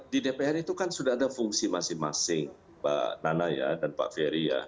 di dpr itu kan sudah ada fungsi masing masing mbak nana dan pak ferry